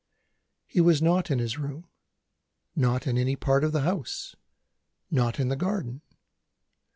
He was not in his room, not in any other part of the house, not in the garden.